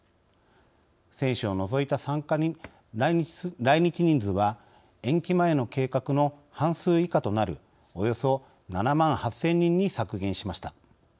選手を除いた来日人数は延期前の計画の半数以下となるおよそ７万８０００人に削減しました。